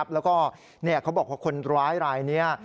แล้วก็เขาบอกว่าคนร้ายรายนี้